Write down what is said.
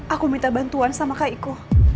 aku minta bantuan sama kakiku